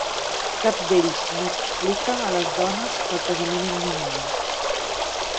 Cap d'ells no explica a les dones el casament imminent.